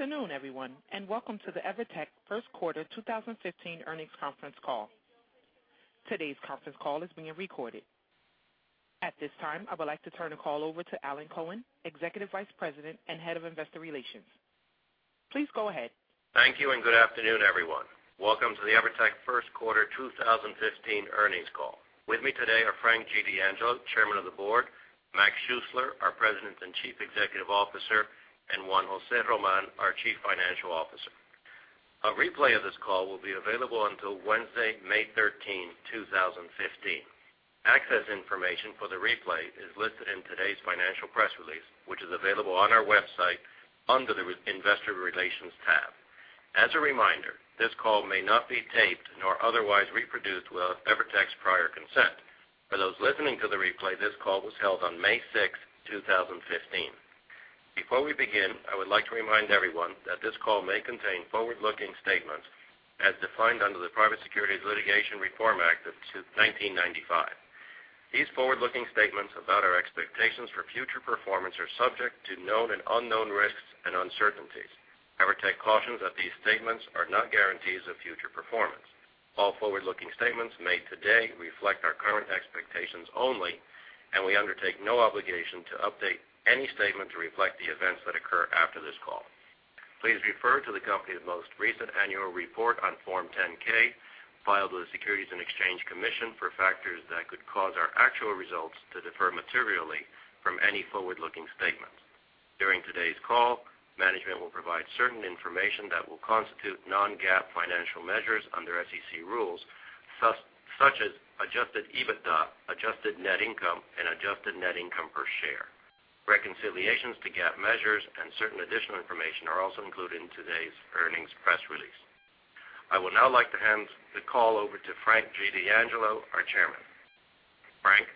Good afternoon, everyone, welcome to the EVERTEC first quarter 2015 earnings conference call. Today's conference call is being recorded. At this time, I would like to turn the call over to Alan Cohen, Executive Vice President and Head of Investor Relations. Please go ahead. Thank you. Good afternoon, everyone. Welcome to the EVERTEC first quarter 2015 earnings call. With me today are Frank D'Angelo, Chairman of the Board, Mac Schuessler, our President and Chief Executive Officer, and Juan José Román, our Chief Financial Officer. A replay of this call will be available until Wednesday, May 13, 2015. Access information for the replay is listed in today's financial press release, which is available on our website under the investor relations tab. As a reminder, this call may not be taped nor otherwise reproduced without EVERTEC's prior consent. For those listening to the replay, this call was held on May 6, 2015. Before we begin, I would like to remind everyone that this call may contain forward-looking statements as defined under the Private Securities Litigation Reform Act of 1995. These forward-looking statements about our expectations for future performance are subject to known and unknown risks and uncertainties. EVERTEC cautions that these statements are not guarantees of future performance. All forward-looking statements made today reflect our current expectations only. We undertake no obligation to update any statement to reflect the events that occur after this call. Please refer to the company's most recent annual report on Form 10-K filed with the Securities and Exchange Commission for factors that could cause our actual results to differ materially from any forward-looking statements. During today's call, management will provide certain information that will constitute non-GAAP financial measures under SEC rules, such as adjusted EBITDA, adjusted net income, and adjusted net income per share. Reconciliations to GAAP measures and certain additional information are also included in today's earnings press release. I would now like to hand the call over to Frank D'Angelo, our Chairman. Frank?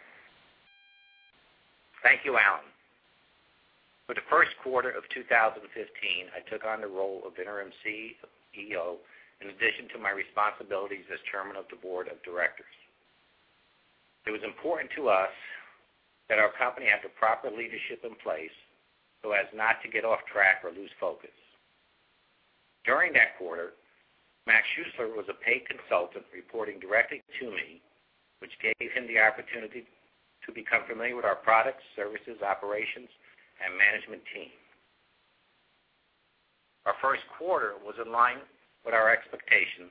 Thank you, Alan. For the first quarter of 2015, I took on the role of interim CEO in addition to my responsibilities as Chairman of the Board of Directors. It was important to us that our company have the proper leadership in place so as not to get off track or lose focus. During that quarter, Morgan Schuessler was a paid consultant reporting directly to me, which gave him the opportunity to become familiar with our products, services, operations, and management team. Our first quarter was in line with our expectation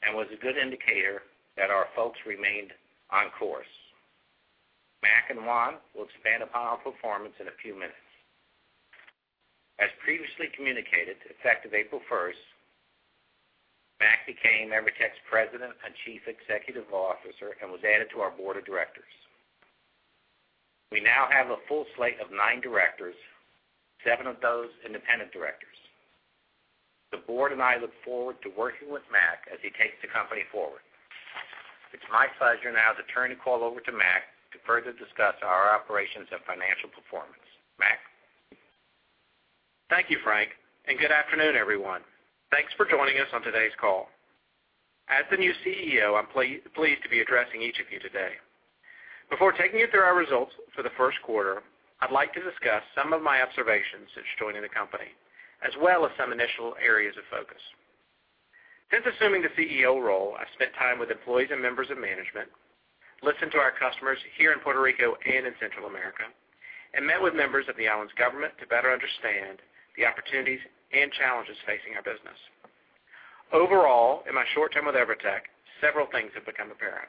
and was a good indicator that our folks remained on course. Mac and Juan will expand upon our performance in a few minutes. As previously communicated, effective April 1st, Mac became EVERTEC's President and Chief Executive Officer and was added to our Board of Directors. We now have a full slate of nine directors, seven of those independent directors. The Board and I look forward to working with Mac as he takes the company forward. It's my pleasure now to turn the call over to Mac to further discuss our operations and financial performance. Mac? Thank you, Frank, and good afternoon, everyone. Thanks for joining us on today's call. As the new CEO, I'm pleased to be addressing each of you today. Before taking you through our results for the first quarter, I'd like to discuss some of my observations since joining the company, as well as some initial areas of focus. Since assuming the CEO role, I've spent time with employees and members of management, listened to our customers here in Puerto Rico and in Central America, and met with members of the island's government to better understand the opportunities and challenges facing our business. Overall, in my short term with EVERTEC, several things have become apparent.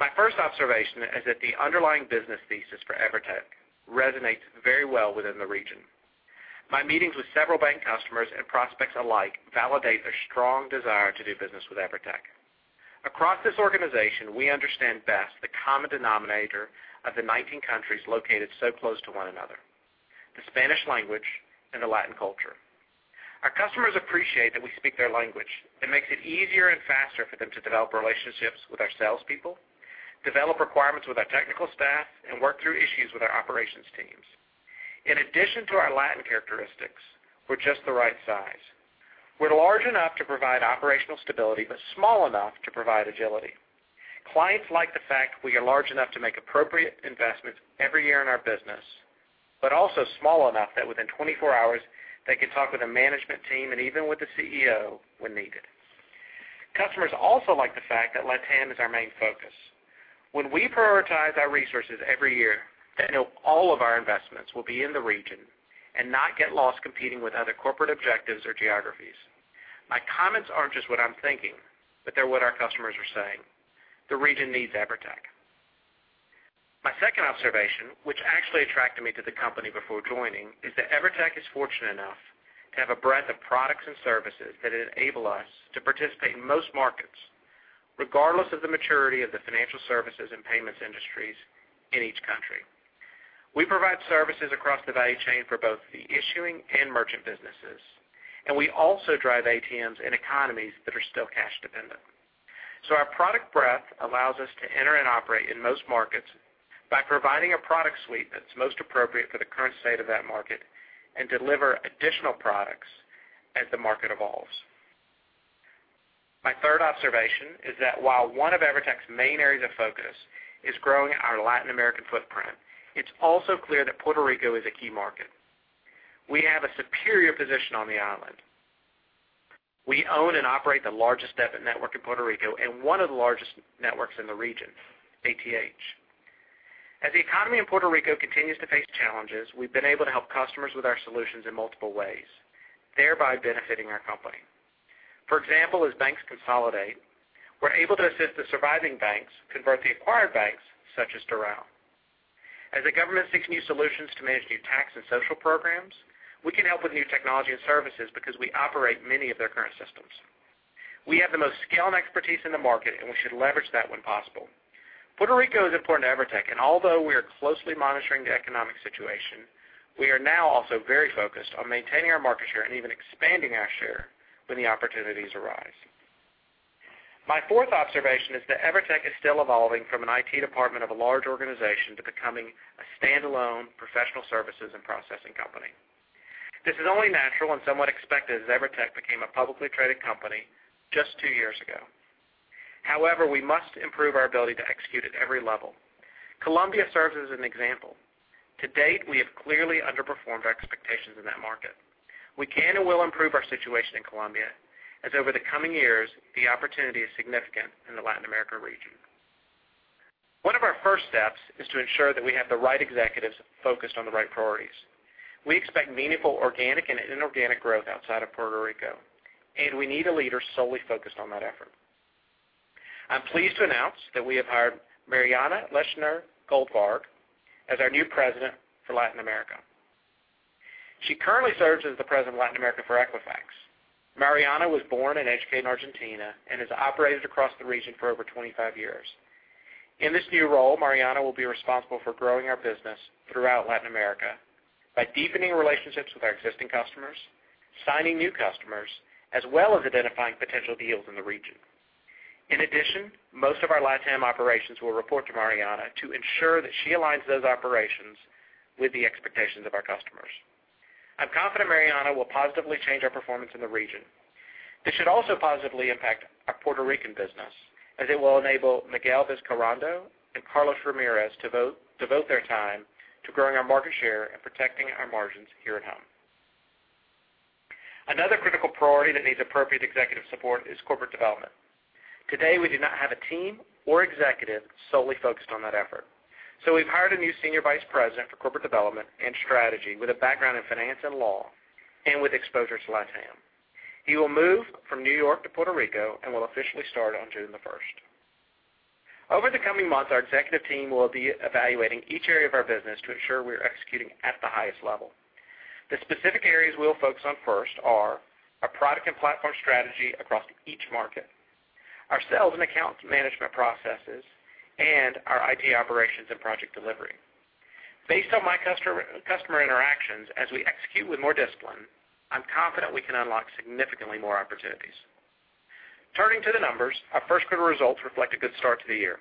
My first observation is that the underlying business thesis for EVERTEC resonates very well within the region. My meetings with several bank customers and prospects alike validate a strong desire to do business with EVERTEC. Across this organization, we understand best the common denominator of the 19 countries located so close to one another, the Spanish language and the Latin culture. Our customers appreciate that we speak their language. It makes it easier and faster for them to develop relationships with our salespeople, develop requirements with our technical staff, and work through issues with our operations teams. In addition to our Latin characteristics, we're just the right size. We're large enough to provide operational stability but small enough to provide agility. Clients like the fact we are large enough to make appropriate investments every year in our business, but also small enough that within 24 hours, they can talk with a management team and even with the CEO when needed. Customers also like the fact that LATAM is our main focus. When we prioritize our resources every year, they know all of our investments will be in the region and not get lost competing with other corporate objectives or geographies. My comments aren't just what I'm thinking, but they're what our customers are saying. The region needs EVERTEC. My second observation, which actually attracted me to the company before joining, is that EVERTEC is fortunate enough to have a breadth of products and services that enable us to participate in most markets, regardless of the maturity of the financial services and payments industries in each country. We provide services across the value chain for both the issuing and merchant businesses, and we also drive ATMs in economies that are still cash-dependent. Our product breadth allows us to enter and operate in most markets by providing a product suite that's most appropriate for the current state of that market and deliver additional products as the market evolves. My third observation is that while one of EVERTEC's main areas of focus is growing our Latin American footprint, it's also clear that Puerto Rico is a key market. We have a superior position on the island. We own and operate the largest debit network in Puerto Rico and one of the largest networks in the region, ATH. As the economy in Puerto Rico continues to face challenges, we've been able to help customers with our solutions in multiple ways, thereby benefiting our company. For example, as banks consolidate, we're able to assist the surviving banks convert the acquired banks, such as Doral. As the government seeks new solutions to manage new tax and social programs, we can help with new technology and services because we operate many of their current systems. We have the most scale and expertise in the market, and we should leverage that when possible. Puerto Rico is important to EVERTEC, and although we are closely monitoring the economic situation, we are now also very focused on maintaining our market share and even expanding our share when the opportunities arise. My fourth observation is that EVERTEC is still evolving from an IT department of a large organization to becoming a standalone professional services and processing company. This is only natural and somewhat expected, as EVERTEC became a publicly traded company just two years ago. However, we must improve our ability to execute at every level. Colombia serves as an example. To date, we have clearly underperformed our expectations in that market. We can and will improve our situation in Colombia, as over the coming years, the opportunity is significant in the Latin America region. One of our first steps is to ensure that we have the right executives focused on the right priorities. We expect meaningful organic and inorganic growth outside of Puerto Rico, and we need a leader solely focused on that effort. I'm pleased to announce that we have hired Mariana Leshner Goldbarg as our new President for Latin America. She currently serves as the President of Latin America for Equifax. Mariana was born and educated in Argentina and has operated across the region for over 25 years. In this new role, Mariana will be responsible for growing our business throughout Latin America by deepening relationships with our existing customers, signing new customers, as well as identifying potential deals in the region. In addition, most of our LatAm operations will report to Mariana to ensure that she aligns those operations with the expectations of our customers. I'm confident Mariana will positively change our performance in the region. This should also positively impact our Puerto Rican business, as it will enable Miguel Vizcarrondo and Carlos Ramírez to devote their time to growing our market share and protecting our margins here at home. Another critical priority that needs appropriate executive support is corporate development. Today, we do not have a team or executive solely focused on that effort. We've hired a new senior vice president for corporate development and strategy with a background in finance and law and with exposure to LatAm. He will move from New York to Puerto Rico and will officially start on June the 1st. Over the coming months, our executive team will be evaluating each area of our business to ensure we are executing at the highest level. The specific areas we'll focus on first are our product and platform strategy across each market, our sales and account management processes, and our IT operations and project delivery. Based on my customer interactions as we execute with more discipline, I'm confident we can unlock significantly more opportunities. Turning to the numbers, our first quarter results reflect a good start to the year.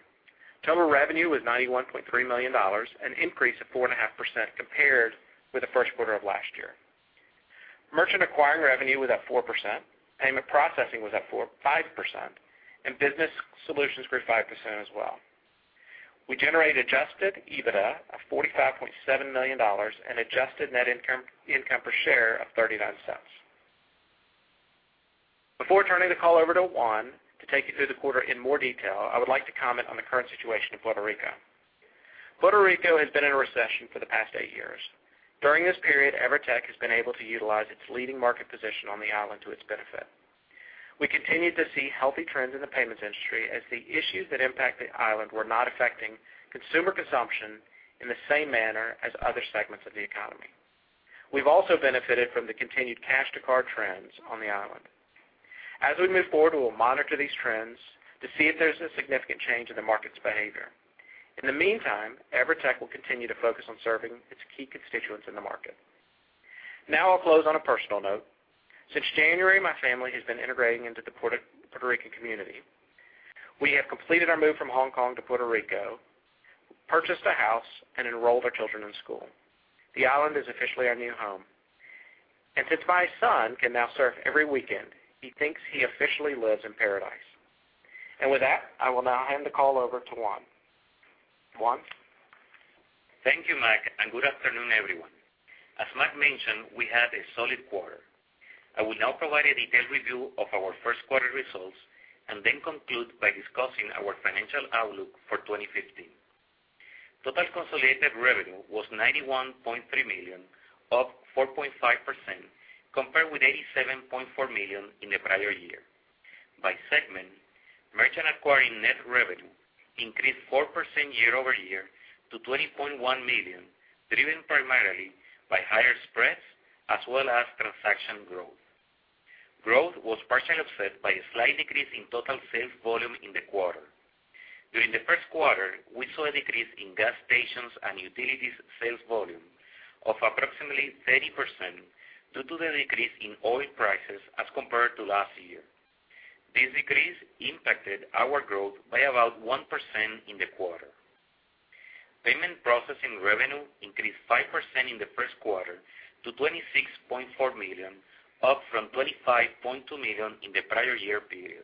Total revenue was $91.3 million, an increase of 4.5% compared with the first quarter of last year. Merchant acquiring revenue was up 4%, payment processing was up 5%, and business solutions grew 5% as well. We generated adjusted EBITDA of $45.7 million and adjusted net income per share of $0.39. Before turning the call over to Juan to take you through the quarter in more detail, I would like to comment on the current situation in Puerto Rico. Puerto Rico has been in a recession for the past eight years. During this period, EVERTEC has been able to utilize its leading market position on the island to its benefit. We continued to see healthy trends in the payments industry as the issues that impact the island were not affecting consumer consumption in the same manner as other segments of the economy. We've also benefited from the continued cash-to-card trends on the island. We will monitor these trends to see if there's a significant change in the market's behavior. In the meantime, EVERTEC will continue to focus on serving its key constituents in the market. I'll close on a personal note. Since January, my family has been integrating into the Puerto Rican community. We have completed our move from Hong Kong to Puerto Rico, purchased a house, and enrolled our children in school. The island is officially our new home. Since my son can now surf every weekend, he thinks he officially lives in paradise. With that, I will now hand the call over to Juan. Juan? Thank you, Mac, and good afternoon, everyone. As Mac mentioned, we had a solid quarter. I will now provide a detailed review of our first quarter results and then conclude by discussing our financial outlook for 2015. Total consolidated revenue was $91.3 million, up 4.5%, compared with $87.4 million in the prior year. By segment, merchant acquiring net revenue increased 4% year-over-year to $20.1 million, driven primarily by higher spreads as well as transaction growth. Growth was partially offset by a slight decrease in total sales volume in the quarter. During the first quarter, we saw a decrease in gas stations and utilities sales volume of approximately 30% due to the decrease in oil prices as compared to last year. This decrease impacted our growth by about 1% in the quarter. Payment processing revenue increased 5% in the first quarter to $26.4 million, up from $25.2 million in the prior year period.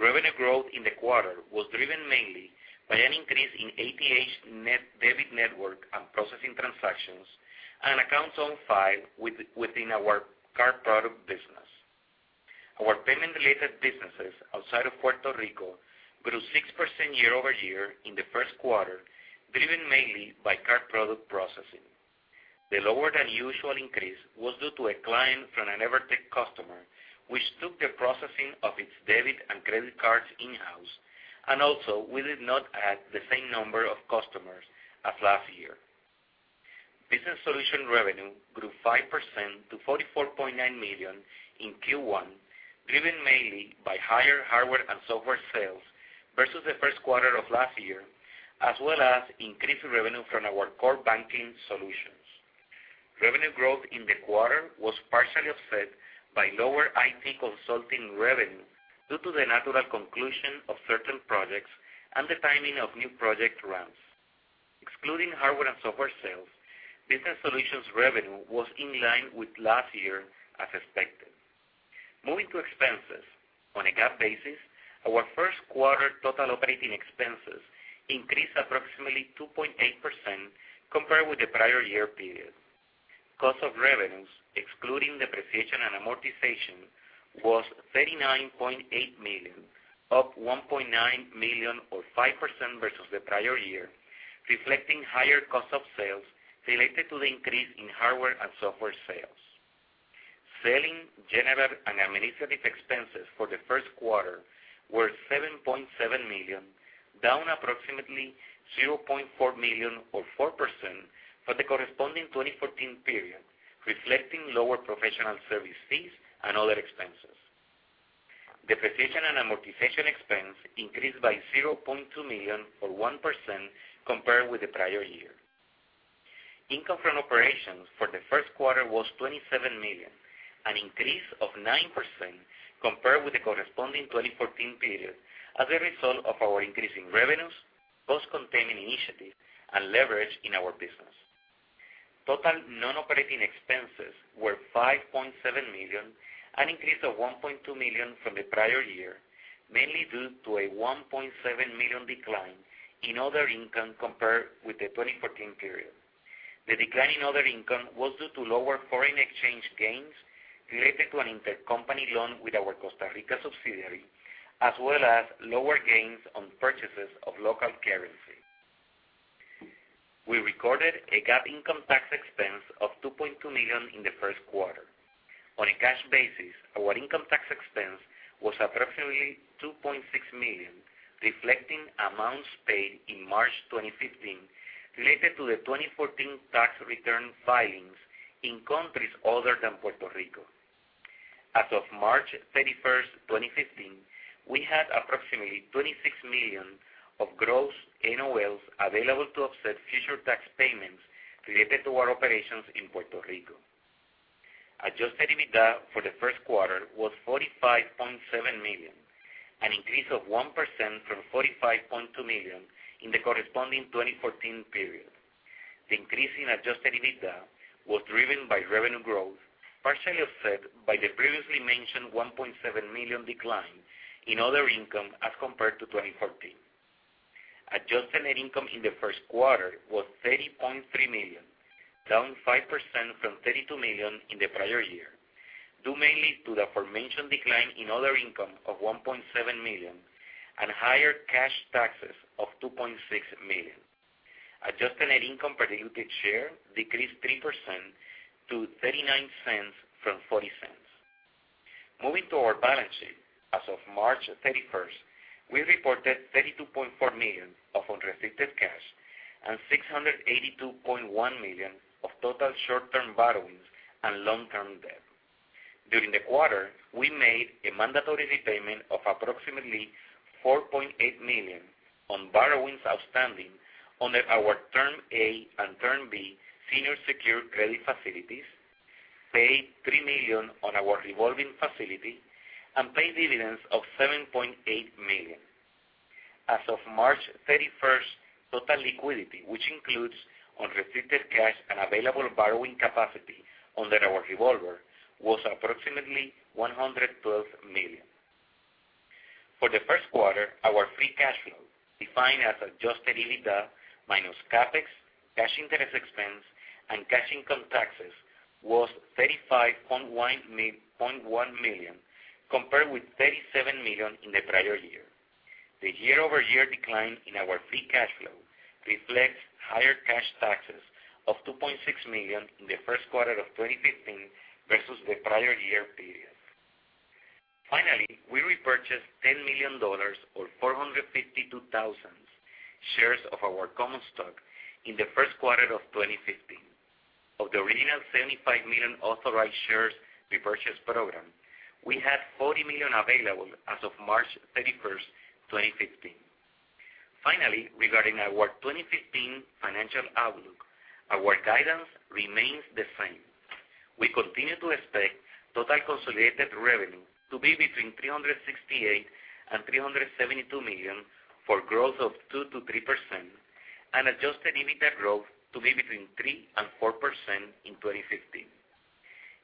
Revenue growth in the quarter was driven mainly by an increase in ATH net debit network and processing transactions and accounts on file within our card product business. Our payment-related businesses outside of Puerto Rico grew 6% year-over-year in the first quarter, driven mainly by card product processing. The lower-than-usual increase was due to a decline from an EVERTEC customer, which took the processing of its debit and credit cards in-house. Also we did not add the same number of customers as last year. Business Solutions revenue grew 5% to $44.9 million in Q1, driven mainly by higher hardware and software sales versus the first quarter of last year, as well as increased revenue from our core banking solutions. Revenue growth in the quarter was partially offset by lower IT consulting revenue due to the natural conclusion of certain projects and the timing of new project runs. Excluding hardware and software sales, business solutions revenue was in line with last year as expected. Moving to expenses. On a GAAP basis, our first quarter total operating expenses increased approximately 2.8% compared with the prior year period. Cost of revenues, excluding depreciation and amortization, was $39.8 million, up $1.9 million or 5% versus the prior year, reflecting higher cost of sales related to the increase in hardware and software sales. Selling, general, and administrative expenses for the first quarter were $7.7 million, down approximately $0.4 million or 4% for the corresponding 2014 period, reflecting lower professional service fees and other expenses. Depreciation and amortization expense increased by $0.2 million or 1% compared with the prior year. Income from operations for the first quarter was $27 million, an increase of 9% compared with the corresponding 2014 period as a result of our increase in revenues, cost-containment initiatives, and leverage in our business. Total non-operating expenses were $5.7 million, an increase of $1.2 million from the prior year, mainly due to a $1.7 million decline in other income compared with the 2014 period. The decline in other income was due to lower foreign exchange gains related to an intercompany loan with our Costa Rica subsidiary, as well as lower gains on purchases of local currency. We recorded a GAAP income tax expense of $2.2 million in the first quarter. On a cash basis, our income tax expense was approximately $2.6 million, reflecting amounts paid in March 2015 related to the 2014 tax return filings in countries other than Puerto Rico. As of March 31st, 2015, we had approximately $26 million of gross NOLs available to offset future tax payments related to our operations in Puerto Rico. Adjusted EBITDA for the first quarter was $45.7 million, an increase of 1% from $45.2 million in the corresponding 2014 period. The increase in adjusted EBITDA was driven by revenue growth, partially offset by the previously mentioned $1.7 million decline in other income as compared to 2014. Adjusted net income in the first quarter was $30.3 million, down 5% from $32 million in the prior year, due mainly to the aforementioned decline in other income of $1.7 million and higher cash taxes of $2.6 million. Adjusted net income per diluted share decreased 3% to $0.39 from $0.40. Moving to our balance sheet. As of March 31st, we reported $32.4 million of unrestricted cash and $682.1 million of total short-term borrowings and long-term debt. During the quarter, we made a mandatory repayment of approximately $4.8 million on borrowings outstanding under our Term A and Term B senior secured credit facilities, paid $3 million on our revolving facility, and paid dividends of $7.8 million. As of March 31st, total liquidity, which includes unrestricted cash and available borrowing capacity under our revolver, was approximately $112 million. For the first quarter, our free cash flow, defined as adjusted EBITDA minus CapEx, cash interest expense, and cash income taxes, was $35.1 million, compared with $37 million in the prior year. The year-over-year decline in our free cash flow reflects higher cash taxes of $2.6 million in the first quarter of 2015 versus the prior year period. Finally, we repurchased $10 million or 452,000 shares of our common stock in the first quarter of 2015. Of the original 75 million authorized shares repurchase program, we had 40 million available as of March 31st, 2015. Finally, regarding our 2015 financial outlook, our guidance remains the same. We continue to expect total consolidated revenue to be between $368 million and $372 million for growth of 2%-3%, and adjusted EBITDA growth to be between 3% and 4% in 2015.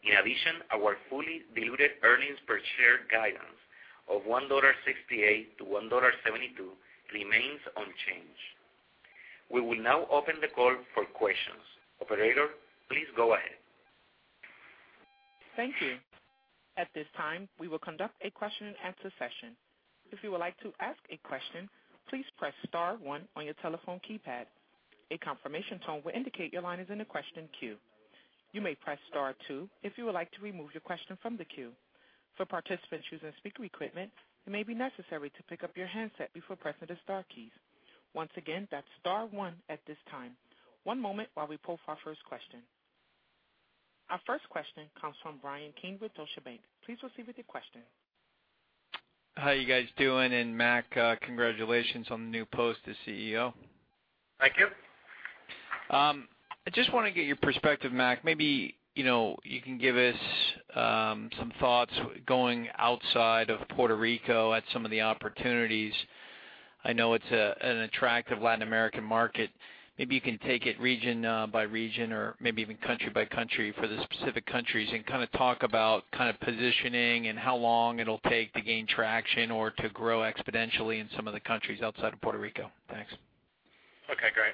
In addition, our fully diluted earnings per share guidance of $1.68-$1.72 remains unchanged. We will now open the call for questions. Operator, please go ahead. Thank you. At this time, we will conduct a question and answer session. If you would like to ask a question, please press star one on your telephone keypad. A confirmation tone will indicate your line is in the question queue. You may press star two if you would like to remove your question from the queue. For participants using speaker equipment, it may be necessary to pick up your handset before pressing the star keys. Once again, that's star one at this time. One moment while we poll for our first question. Our first question comes from Bryan Keane with Deutsche Bank. Please proceed with your question. How are you guys doing? Mac, congratulations on the new post as CEO. Thank you. I just want to get your perspective, Mac. Maybe you can give us some thoughts going outside of Puerto Rico at some of the opportunities. I know it's an attractive Latin American market. Maybe you can take it region by region or maybe even country by country for the specific countries and talk about positioning and how long it'll take to gain traction or to grow exponentially in some of the countries outside of Puerto Rico. Thanks. Okay, great.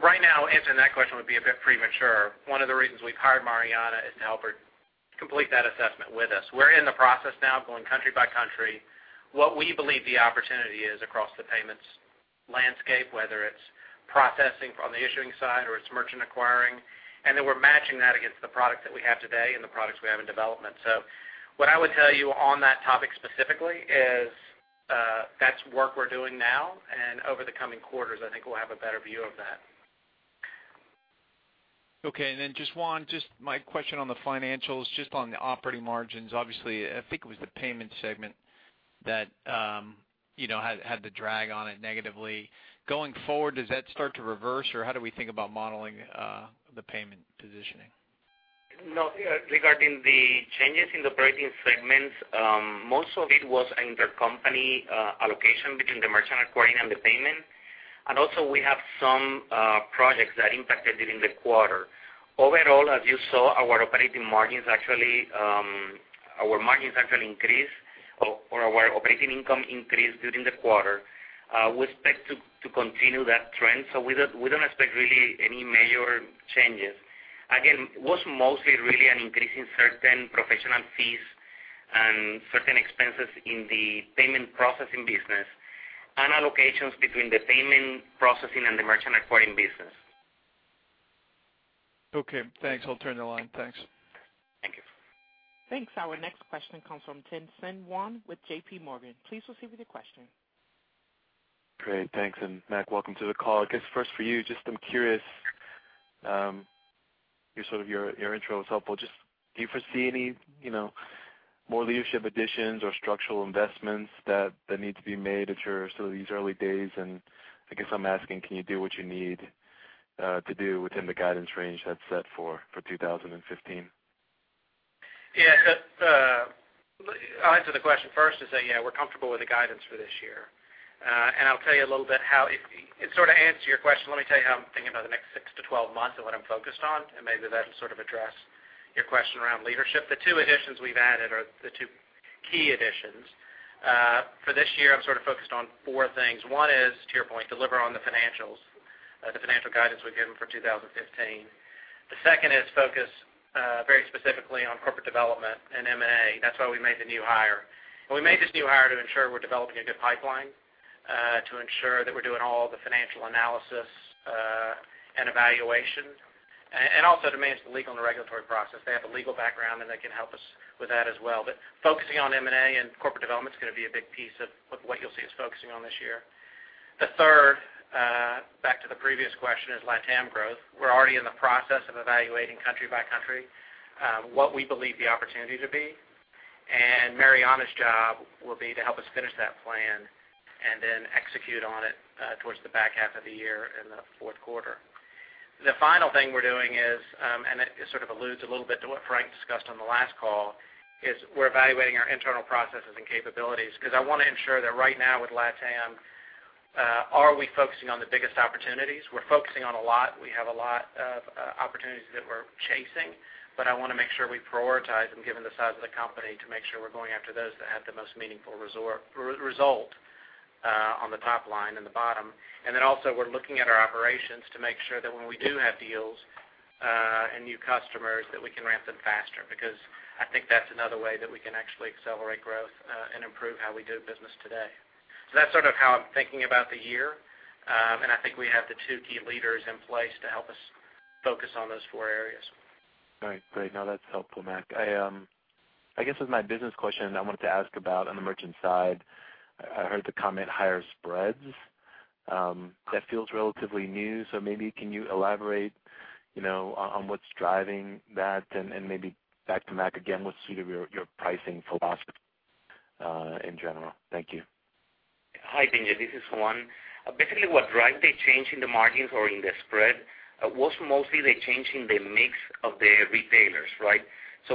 Right now, answering that question would be a bit premature. One of the reasons we've hired Mariana is to help her complete that assessment with us. We're in the process now of going country by country, what we believe the opportunity is across the payments landscape, whether it's processing from the issuing side or it's merchant acquiring, and then we're matching that against the products that we have today and the products we have in development. What I would tell you on that topic specifically is that's work we're doing now, and over the coming quarters, I think we'll have a better view of that. Okay, Juan, just my question on the financials, just on the operating margins. Obviously, I think it was the payment segment that had the drag on it negatively. Going forward, does that start to reverse, or how do we think about modeling the payment positioning? No. Regarding the changes in the operating segments, most of it was intercompany allocation between the merchant acquiring and the payment. Also we have some projects that impacted during the quarter. Overall, as you saw, our operating margins actually increased, or our operating income increased during the quarter. We expect to continue that trend. We don't expect really any major changes. Again, it was mostly really an increase in certain professional fees and certain expenses in the payment processing business and allocations between the payment processing and the merchant acquiring business. Okay, thanks. I'll turn the line. Thanks. Thank you. Thanks. Our next question comes from Tien-Tsin with J.P. Morgan. Please proceed with your question. Great. Thanks, Mac, welcome to the call. I guess first for you, just I'm curious. Your intro was helpful. Just do you foresee any more leadership additions or structural investments that need to be made at your sort of these early days, I guess I'm asking, can you do what you need to do within the guidance range that's set for 2015? Yeah. I'll answer the question first and say, yeah, we're comfortable with the guidance for this year. I'll tell you a little bit how it sort of answers your question. Let me tell you how I'm thinking about the next 6 to 12 months and what I'm focused on, maybe that'll sort of address your question around leadership. The two additions we've added are the two key additions. For this year, I'm sort of focused on four things. One is, to your point, deliver on the financials, the financial guidance we've given for 2015. The second is focus very specifically on corporate development and M&A. That's why we made the new hire. We made this new hire to ensure we're developing a good pipeline, to ensure that we're doing all the financial analysis and evaluation. Also to manage the legal and the regulatory process. They have a legal background, they can help us with that as well. Focusing on M&A and corporate development is going to be a big piece of what you'll see us focusing on this year. The third, back to the previous question, is LatAm growth. We're already in the process of evaluating country by country what we believe the opportunity to be. Mariana's job will be to help us finish that plan and then execute on it towards the back half of the year in the fourth quarter. The final thing we're doing is, it sort of alludes a little bit to what Frank discussed on the last call, is we're evaluating our internal processes and capabilities because I want to ensure that right now with LatAm, are we focusing on the biggest opportunities? We're focusing on a lot. We have a lot of opportunities that we're chasing. I want to make sure we prioritize them given the size of the company to make sure we're going after those that have the most meaningful result on the top line and the bottom. We're looking at our operations to make sure that when we do have deals and new customers, that we can ramp them faster because I think that's another way that we can actually accelerate growth and improve how we do business today. That's sort of how I'm thinking about the year, and I think we have the two key leaders in place to help us focus on those four areas. All right. Great. No, that's helpful, Mac. I guess with my business question I wanted to ask about on the merchant side, I heard the comment higher spreads. That feels relatively new, maybe can you elaborate on what's driving that and maybe back to Mac again, what's your pricing philosophy in general? Thank you. Hi, Tien-Tsin. This is Juan. Basically, what drives the change in the margins or in the spread was mostly the change in the mix of the retailers.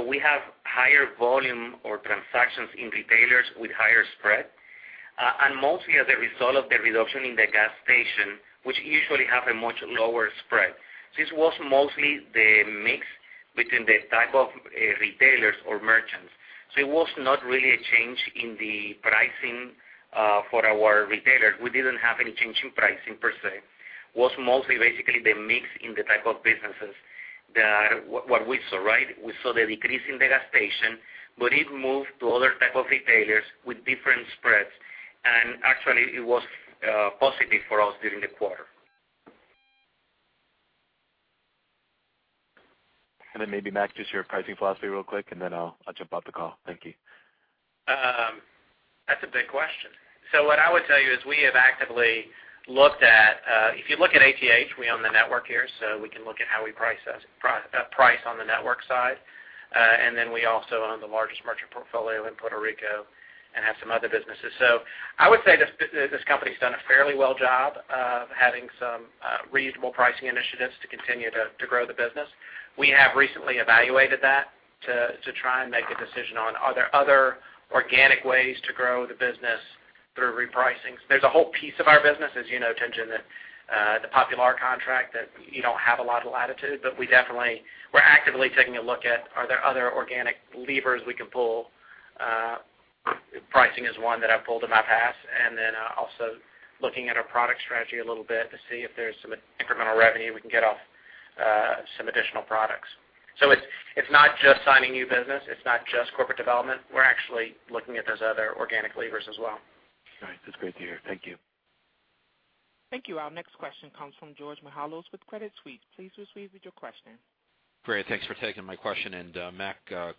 We have higher volume or transactions in retailers with higher spread, and mostly as a result of the reduction in the gas station, which usually have a much lower spread. This was mostly the mix between the type of retailers or merchants. It was not really a change in the pricing for our retailers. We didn't have any change in pricing per se. It was mostly basically the mix in the type of businesses that what we saw. We saw the decrease in the gas station, it moved to other type of retailers with different spreads, and actually it was positive for us during the quarter. Maybe, Mac, just your pricing philosophy real quick, and then I'll jump off the call. Thank you. That's a big question. What I would tell you is we have actively looked at, if you look at ATH, we own the network here, so we can look at how we price on the network side. We also own the largest merchant portfolio in Puerto Rico and have some other businesses. I would say this company's done a fairly well job of having some reasonable pricing initiatives to continue to grow the business. We have recently evaluated that to try and make a decision on, are there other organic ways to grow the business through repricings? There's a whole piece of our business, as you know, Tien-Tsin, the Popular contract, that you don't have a lot of latitude, but we're actively taking a look at, are there other organic levers we can pull? Pricing is one that I've pulled in my past. Also looking at our product strategy a little bit to see if there's some incremental revenue we can get off some additional products. It's not just signing new business. It's not just corporate development. We're actually looking at those other organic levers as well. All right. That's great to hear. Thank you. Thank you. Our next question comes from Georgios Mihalos with Credit Suisse. Please proceed with your question. Great. Thanks for taking my question, Mac,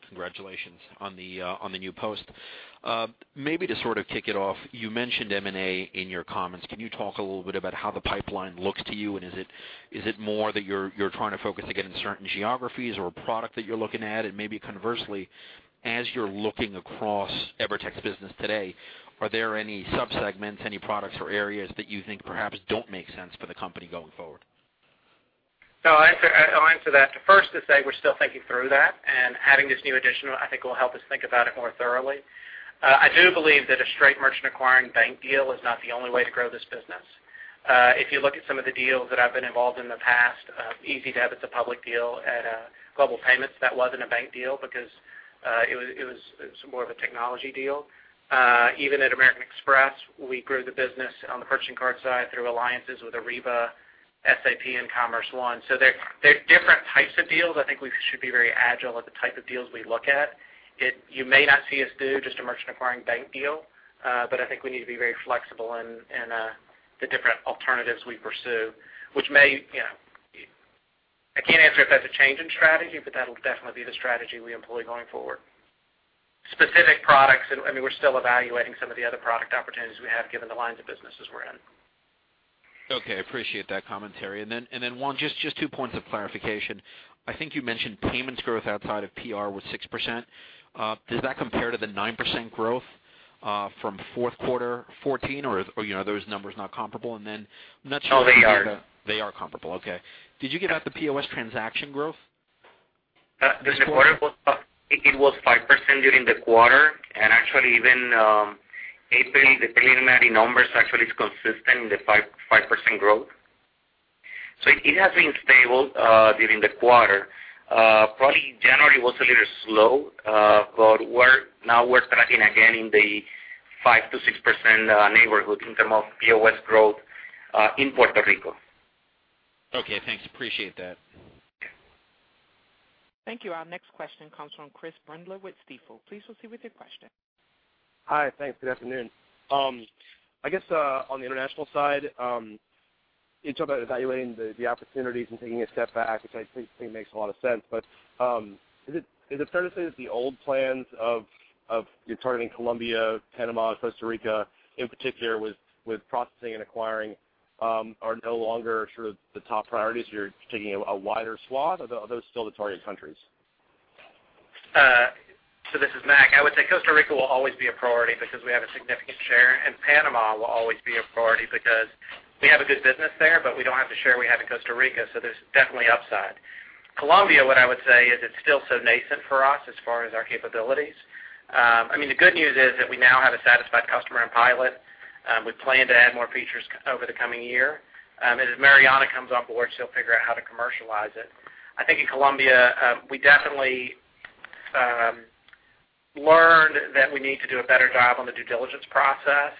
congratulations on the new post. Maybe to sort of kick it off, you mentioned M&A in your comments. Can you talk a little bit about how the pipeline looks to you? Is it more that you're trying to focus again in certain geographies or a product that you're looking at? Maybe conversely, as you're looking across EVERTEC's business today, are there any sub-segments, any products or areas that you think perhaps don't make sense for the company going forward? I'll answer that. First to say we're still thinking through that, and having this new addition I think will help us think about it more thoroughly. I do believe that a straight merchant acquiring bank deal is not the only way to grow this business. If you look at some of the deals that I've been involved in the past, Ezidebit's a public deal at Global Payments. That wasn't a bank deal because it was more of a technology deal. Even at American Express, we grew the business on the purchasing card side through alliances with Ariba, SAP, and Commerce One. There are different types of deals. I think we should be very agile at the type of deals we look at. You may not see us do just a merchant acquiring bank deal, I think we need to be very flexible in the different alternatives we pursue. I can't answer if that's a change in strategy, that'll definitely be the strategy we employ going forward. Specific products, we're still evaluating some of the other product opportunities we have given the lines of businesses we're in. Okay. Appreciate that commentary. Juan, just two points of clarification. I think you mentioned payments growth outside of PR was 6%. Does that compare to the 9% growth from fourth quarter 2014, or are those numbers not comparable? I'm not sure- No, they are. They are comparable. Okay. Did you get out the POS transaction growth? It was 5% during the quarter. Actually even April, the preliminary numbers actually is consistent in the 5% growth. It has been stable during the quarter. Probably January was a little slow, but now we're tracking again in the 5%-6% neighborhood in terms of POS growth in Puerto Rico. Okay, thanks. Appreciate that. Thank you. Our next question comes from Chris Brendler with Stifel. Please proceed with your question. Hi. Thanks. Good afternoon. I guess on the international side, you talked about evaluating the opportunities and taking a step back, which I think makes a lot of sense. Is it fair to say that the old plans of you targeting Colombia, Panama, Costa Rica in particular with processing and acquiring are no longer sort of the top priorities? You're taking a wider swath. Are those still the target countries? This is Mac. I would say Costa Rica will always be a priority because we have a significant share, and Panama will always be a priority because we have a good business there, but we don't have the share we have in Costa Rica. There's definitely upside. Colombia, what I would say is it's still so nascent for us as far as our capabilities. The good news is that we now have a satisfied customer and pilot. We plan to add more features over the coming year. As Mariana comes on board, she'll figure out how to commercialize it. I think in Colombia, we definitely learned that we need to do a better job on the due diligence process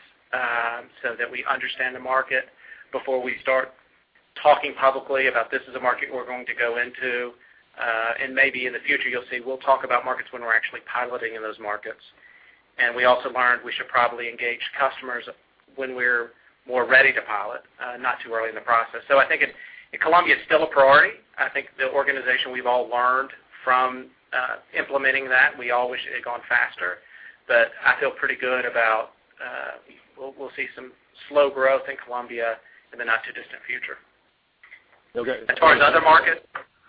so that we understand the market before we start talking publicly about this is a market we're going to go into. Maybe in the future you'll see we'll talk about markets when we're actually piloting in those markets. We also learned we should probably engage customers when we're more ready to pilot, not too early in the process. I think Colombia is still a priority. I think the organization we've all learned from implementing that. We all wish it had gone faster. I feel pretty good about we'll see some slow growth in Colombia in the not too distant future. Okay. Towards other markets,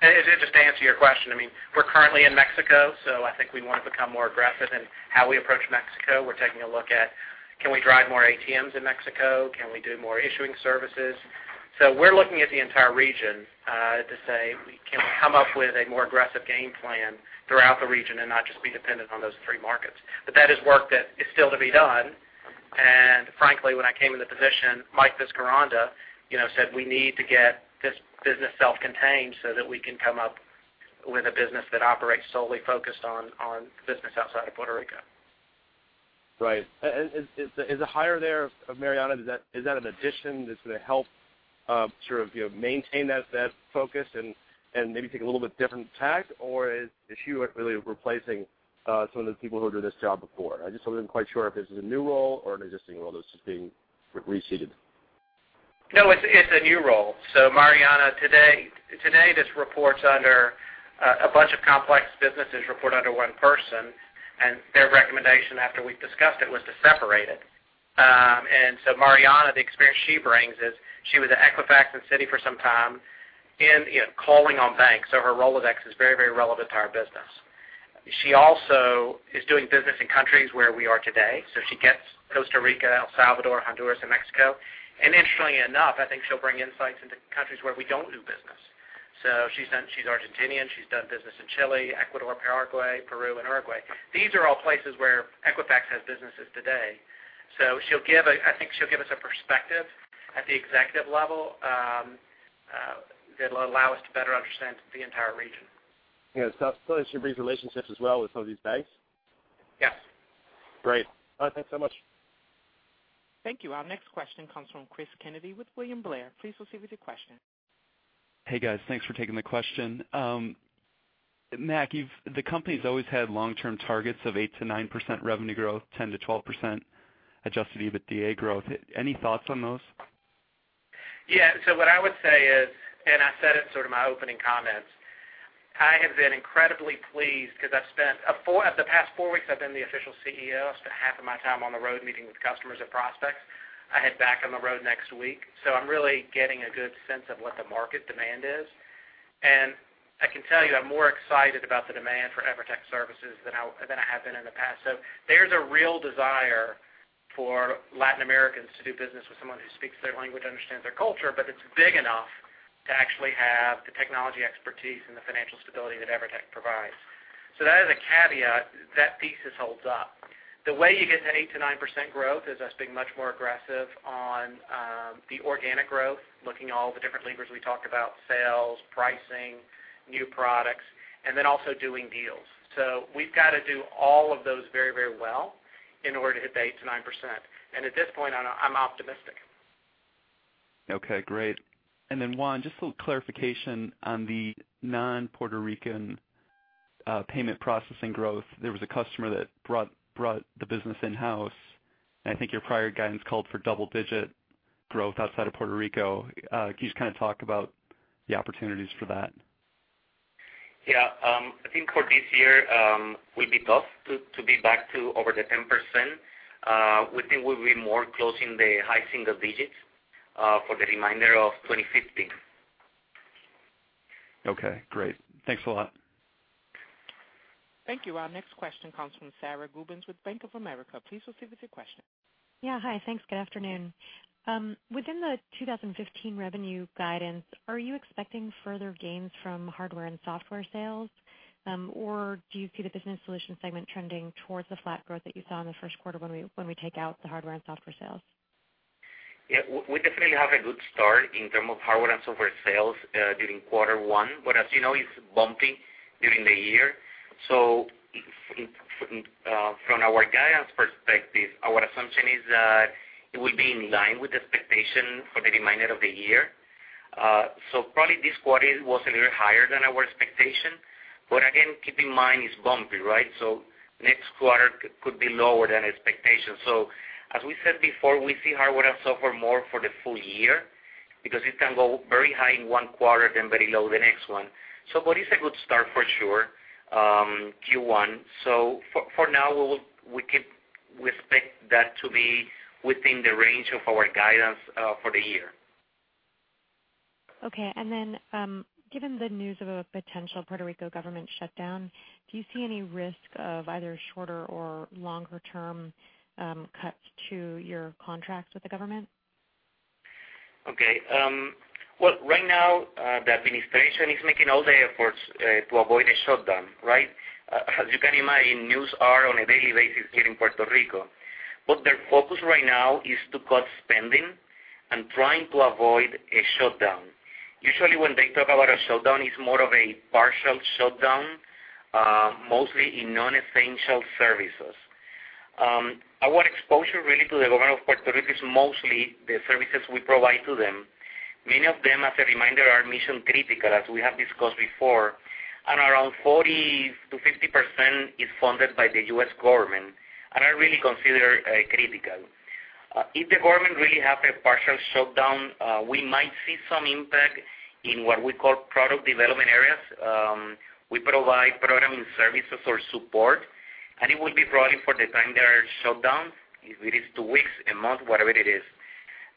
just to answer your question, we're currently in Mexico, I think we want to become more aggressive in how we approach Mexico. We're taking a look at can we drive more ATMs in Mexico, can we do more issuing services? We're looking at the entire region to say, can we come up with a more aggressive game plan throughout the region and not just be dependent on those three markets. That is work that is still to be done. Frankly, when I came into the position, Miguel Vizcarrondo said we need to get this business self-contained so that we can come up with a business that operates solely focused on business outside of Puerto Rico. Right. The hire there of Mariana, is that an addition that's going to help maintain that focus and maybe take a little bit different tack, or is she really replacing some of the people who were doing this job before? I just wasn't quite sure if this is a new role or an existing role that's just being reseated. No, it's a new role. Mariana, today, a bunch of complex businesses report under one person, their recommendation after we've discussed it was to separate it. Mariana, the experience she brings is she was at Equifax and Citi for some time and calling on banks. Her rolodex is very relevant to our business. She also is doing business in countries where we are today, she gets Costa Rica, El Salvador, Honduras, and Mexico. Interestingly enough, I think she'll bring insights into countries where we don't do business. She's Argentinian. She's done business in Chile, Ecuador, Paraguay, Peru, and Uruguay. These are all places where Equifax has businesses today. I think she'll give us a perspective at the executive level that'll allow us to better understand the entire region. She brings relationships as well with some of these banks? Yes. Great. All right, thanks so much. Thank you. Our next question comes from Cris Kennedy with William Blair. Please proceed with your question. Hey, guys. Thanks for taking the question. Mac, the company's always had long-term targets of 8%-9% revenue growth, 10%-11% adjusted EBITDA growth. Any thoughts on those? Yeah. What I would say is, and I said it in my opening comments, I have been incredibly pleased because the past four weeks I've been the official CEO. I spent half of my time on the road meeting with customers and prospects. I head back on the road next week. I'm really getting a good sense of what the market demand is. I can tell you, I'm more excited about the demand for EVERTEC services than I have been in the past. There's a real desire for Latin Americans to do business with someone who speaks their language, understands their culture, but that's big enough to actually have the technology expertise and the financial stability that EVERTEC provides. That is a caveat. That thesis holds up. The way you get that 8%-9% growth is us being much more aggressive on the organic growth, looking at all the different levers we talked about, sales, pricing, new products, then also doing deals. We've got to do all of those very well in order to hit the 8%-9%. At this point, I'm optimistic. Okay, great. Juan, just a little clarification on the non-Puerto Rican payment processing growth. There was a customer that brought the business in-house, I think your prior guidance called for double-digit growth outside of Puerto Rico. Can you just talk about the opportunities for that? Yeah. I think for this year, it will be tough to be back to over the 10%. We think we'll be more close in the high single digits for the remainder of 2015. Okay, great. Thanks a lot. Thank you. Our next question comes from Sara Gubins with Bank of America. Please proceed with your question. Yeah. Hi. Thanks. Good afternoon. Within the 2015 revenue guidance, are you expecting further gains from hardware and software sales? Do you see the business solution segment trending towards the flat growth that you saw in the first quarter when we take out the hardware and software sales? Yeah. We definitely have a good start in terms of hardware and software sales during quarter one, as you know, it's bumpy during the year. From our guidance perspective, our assumption is that it will be in line with expectation for the remainder of the year. Probably this quarter was a little higher than our expectation. Again, keep in mind it's bumpy, right? Next quarter could be lower than expectation. As we said before, we see hardware and software more for the full year because it can go very high in one quarter, then very low the next one. But it's a good start for sure, Q1. For now, we expect that to be within the range of our guidance for the year. Okay. Given the news of a potential Puerto Rico government shutdown, do you see any risk of either shorter or longer-term cuts to your contracts with the government? Okay. Well, right now, the administration is making all the efforts to avoid a shutdown, right? As you can imagine, news are on a daily basis here in Puerto Rico. Their focus right now is to cut spending and trying to avoid a shutdown. Usually, when they talk about a shutdown, it's more of a partial shutdown, mostly in non-essential services. Our exposure really to the government of Puerto Rico is mostly the services we provide to them. Many of them, as a reminder, are mission-critical, as we have discussed before, and around 40%-50% is funded by the U.S. government and are really considered critical. If the government really have a partial shutdown, we might see some impact in what we call product development areas. We provide programming services or support. It will be probably for the time there are shutdowns. If it is two weeks, a month, whatever it is.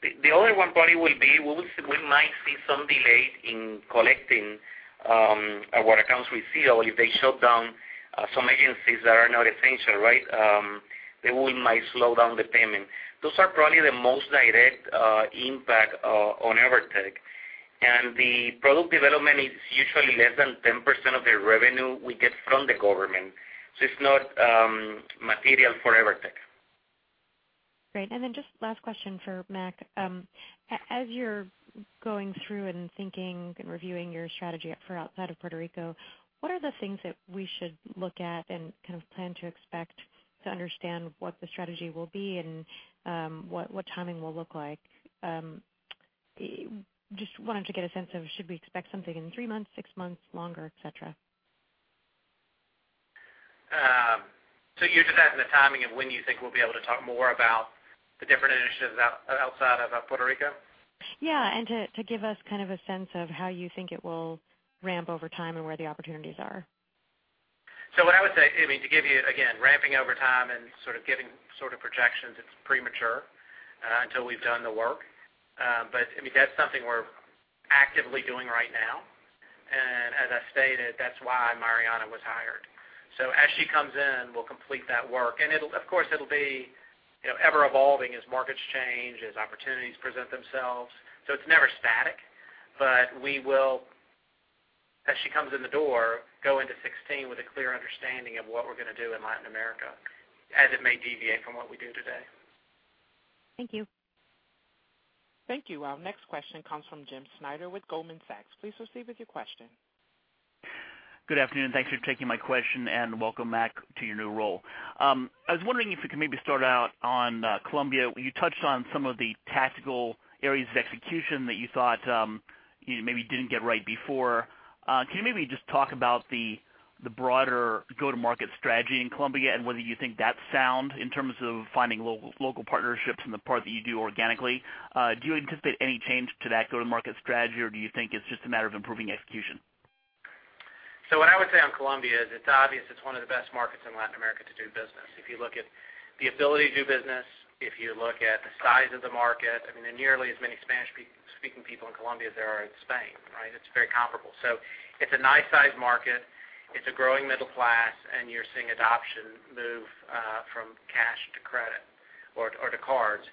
The only one probably will be, we might see some delays in collecting our accounts receivable if they shut down some agencies that are not essential. They might slow down the payment. Those are probably the most direct impact on EVERTEC. The product development is usually less than 10% of the revenue we get from the government. It's not material for EVERTEC. Great. Just last question for Mac. As you're going through and thinking and reviewing your strategy for outside of Puerto Rico, what are the things that we should look at and kind of plan to expect to understand what the strategy will be and what timing will look like? Just wanted to get a sense of should we expect something in three months, six months, longer, et cetera. You're just asking the timing of when you think we'll be able to talk more about the different initiatives outside of Puerto Rico? Yeah. To give us kind of a sense of how you think it will ramp over time and where the opportunities are. What I would say, to give you, again, ramping over time and sort of giving projections, it's premature until we've done the work. That's something we're actively doing right now, and as I stated, that's why Mariana was hired. As she comes in, we'll complete that work. Of course, it'll be ever-evolving as markets change, as opportunities present themselves. It's never static, but we will, as she comes in the door, go into 2016 with a clear understanding of what we're going to do in Latin America, as it may deviate from what we do today. Thank you. Thank you. Our next question comes from Jim Schneider with Goldman Sachs. Please proceed with your question. Good afternoon. Thanks for taking my question, and welcome, Mac, to your new role. I was wondering if we could maybe start out on Colombia. You touched on some of the tactical areas of execution that you thought you maybe didn't get right before. Can you maybe just talk about the broader go-to-market strategy in Colombia and whether you think that's sound in terms of finding local partnerships and the part that you do organically? Do you anticipate any change to that go-to-market strategy, or do you think it's just a matter of improving execution? What I would say on Colombia is it's obvious it's one of the best markets in Latin America to do business. If you look at the ability to do business, if you look at the size of the market, there are nearly as many Spanish-speaking people in Colombia as there are in Spain. It's very comparable. It's a nice size market. It's a growing middle class, and you're seeing adoption move from cash to credit or to cards.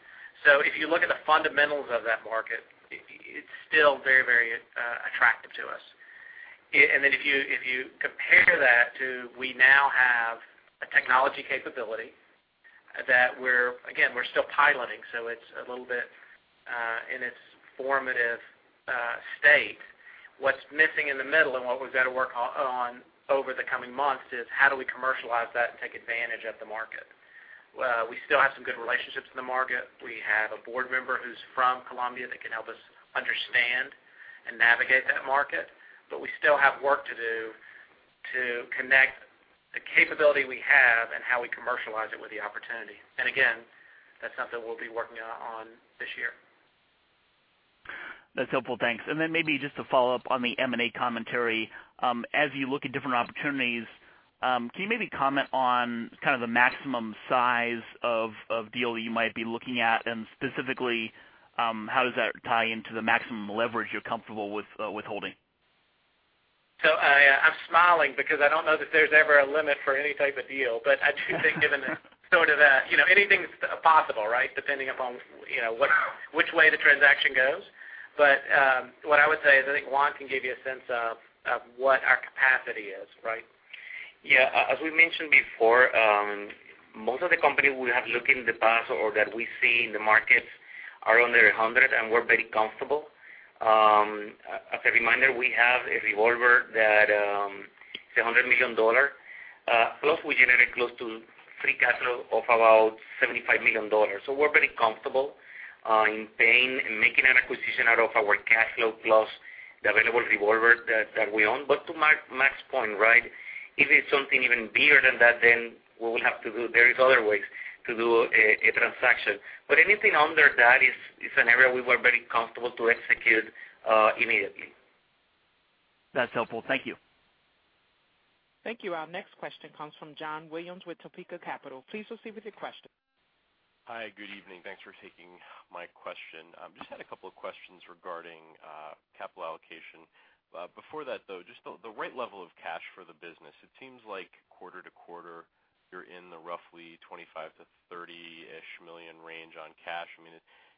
If you look at the fundamentals of that market, it's still very attractive to us. If you compare that to we now have a technology capability that we're still piloting, so it's a little bit in its formative state. What's missing in the middle and what we've got to work on over the coming months is how do we commercialize that and take advantage of the market. We still have some good relationships in the market. We have a board member who's from Colombia that can help us understand and navigate that market. We still have work to do to connect the capability we have and how we commercialize it with the opportunity. Again, that's something we'll be working on this year. That's helpful. Thanks. Maybe just to follow up on the M&A commentary. As you look at different opportunities, can you maybe comment on kind of the maximum size of deal that you might be looking at, and specifically, how does that tie into the maximum leverage you're comfortable with holding? I'm smiling because I don't know that there's ever a limit for any type of deal. I do think given the sort of that anything's possible, depending upon which way the transaction goes. What I would say is, I think Juan can give you a sense of what our capacity is. Right? Yeah. As we mentioned before, most of the companies we have looked in the past or that we see in the markets are under $100 million, and we're very comfortable. As a reminder, we have a revolver that's $100 million. Plus, we generate close to free cash flow of about $75 million. We're pretty comfortable in paying and making an acquisition out of our cash flow plus the available revolver that we own. To Mac's point, if it's something even bigger than that, there is other ways to do a transaction. Anything under that is an area we were very comfortable to execute immediately. That's helpful. Thank you. Thank you. Our next question comes from John Williams with Topeka Capital. Please proceed with your question. Hi, good evening. Thanks for taking my question. Just had a couple of questions regarding capital allocation. Before that, though, just the right level of cash for the business. It seems like quarter-over-quarter, you're in the roughly $25 million-$30 million range on cash.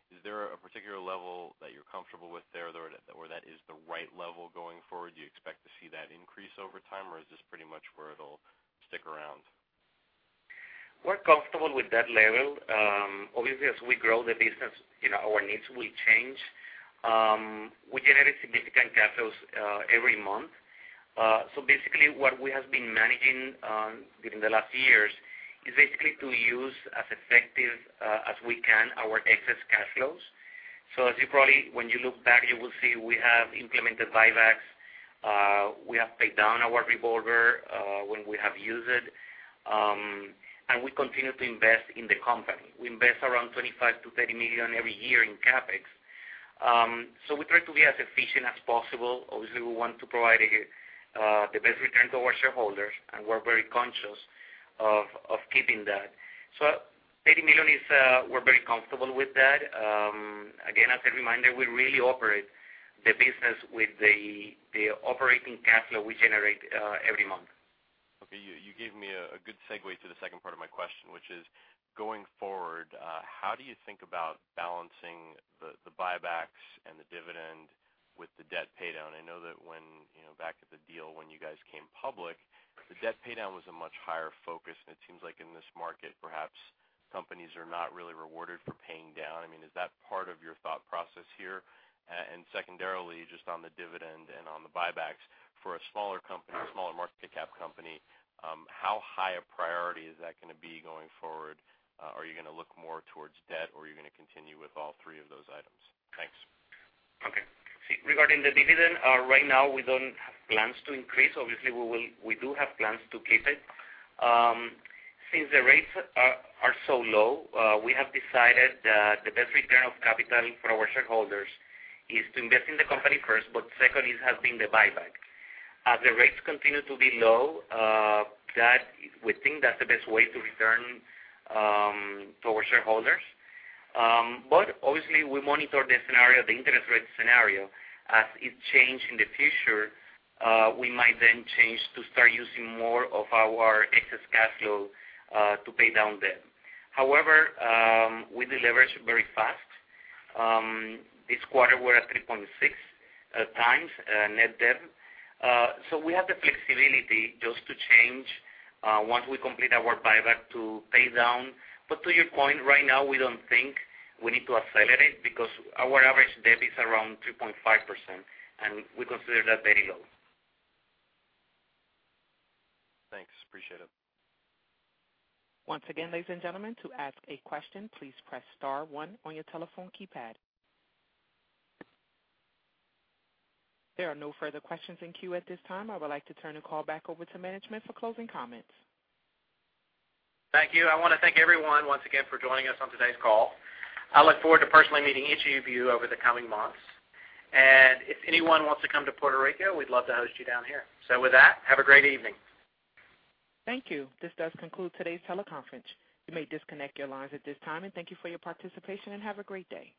Is there a particular level that you're comfortable with there, or that is the right level going forward? Do you expect to see that increase over time, or is this pretty much where it'll stick around? We're comfortable with that level. Obviously, as we grow the business, our needs will change. We generate significant cash flows every month. Basically what we have been managing during the last years is basically to use as effective as we can our excess cash flows. As you probably, when you look back, you will see we have implemented buybacks. We have paid down our revolver when we have used it. We continue to invest in the company. We invest around $25 million-$30 million every year in CapEx. We try to be as efficient as possible. Obviously, we want to provide the best return to our shareholders, and we're very conscious of keeping that. $30 million, we're very comfortable with that. Again, as a reminder, we really operate the business with the operating cash flow we generate every month. Okay. You gave me a good segue to the second part of my question, which is, going forward, how do you think about balancing the buybacks and the dividend with the debt pay down? I know that back at the deal, when you guys came public, the debt pay down was a much higher focus, and it seems like in this market, perhaps companies are not really rewarded for paying down. Is that part of your thought process here? Secondarily, just on the dividend and on the buybacks, for a smaller company or a smaller market cap company, how high a priority is that going to be going forward? Are you going to look more towards debt, or are you going to continue with all three of those items? Thanks. Okay. Regarding the dividend, right now, we don't have plans to increase. Obviously, we do have plans to keep it. Since the rates are so low, we have decided that the best return of capital for our shareholders is to invest in the company first, but second has been the buyback. As the rates continue to be low, we think that's the best way to return to our shareholders. Obviously, we monitor the scenario, the interest rate scenario. As it change in the future, we might then change to start using more of our excess cash flow to pay down debt. However, we de-leverage very fast. This quarter, we're at 3.6 times net debt. We have the flexibility just to change, once we complete our buyback, to pay down. To your point, right now, we don't think we need to accelerate because our average debt is around 2.5%, and we consider that very low. Thanks. Appreciate it. Once again, ladies and gentlemen, to ask a question, please press *1 on your telephone keypad. There are no further questions in queue at this time. I would like to turn the call back over to management for closing comments. Thank you. I want to thank everyone once again for joining us on today's call. I look forward to personally meeting each of you over the coming months. If anyone wants to come to Puerto Rico, we'd love to host you down here. With that, have a great evening. Thank you. This does conclude today's teleconference. You may disconnect your lines at this time, and thank you for your participation, and have a great day.